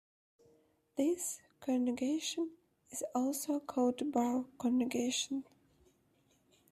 This conjugation is also called bar conjugation.